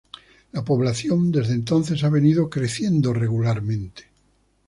La población desde entonces ha venido creciendo regularmente.